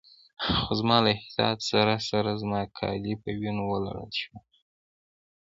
خو زما له احتیاط سره سره زما کالي په وینو ولړل شول.